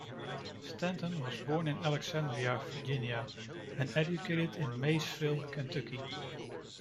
Stanton was born in Alexandria, Virginia and educated in Maysville, Kentucky.